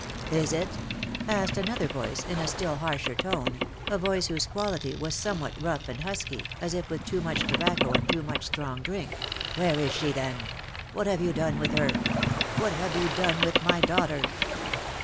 " Is it ?" asked another voice, in a still harsher tone, a voice whose quality was somewhat rough and husky, as if with too much tobacco and too much strong drink. " Where is she then ? What have you done with her? What have you done with my daughter